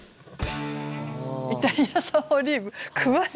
イタリア産オリーブ詳しいですね。